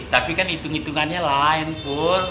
tapi kan hitung hitungannya lain bu